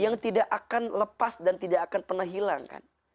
yang tidak akan lepas dan tidak akan pernah hilang kan